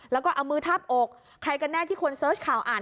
แล้วก็เอามือทาบอกใครกันแน่ที่คนเสิร์ชข่าวอ่าน